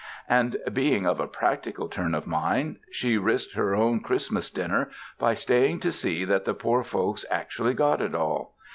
And, being of a practical turn of mind, she risked her own Christmas dinner by staying to see that the poor folks actually got it all.